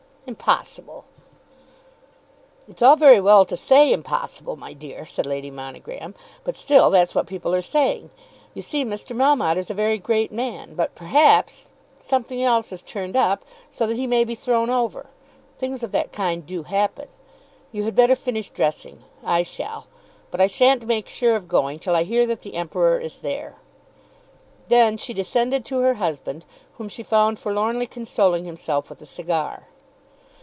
"Impossible!" "It's all very well to say impossible, my dear," said Lady Monogram; "but still that's what people are saying. You see Mr. Melmotte is a very great man, but perhaps something else has turned up, so that he may be thrown over. Things of that kind do happen. You had better finish dressing. I shall. But I shan't make sure of going till I hear that the Emperor is there." Then she descended to her husband, whom she found forlornly consoling himself with a cigar.